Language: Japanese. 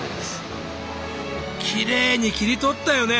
きれいに切り取ったよね。